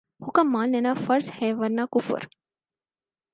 حکم مان لینا فرض ہے ورنہ کفر